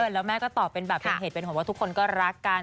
แล้วแม่ก็ตอบเป็นแบบเป็นเหตุเป็นผลว่าทุกคนก็รักกัน